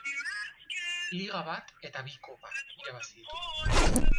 Liga bat eta bi kopa irabazi ditu.